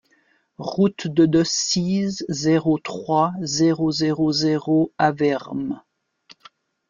Route de Decize, zéro trois, zéro zéro zéro Avermes